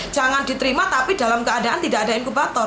jangan diterima tapi dalam keadaan tidak ada inkubator